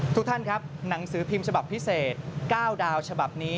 ทุกท่านครับหนังสือพิมพ์ฉบับพิเศษ๙ดาวฉบับนี้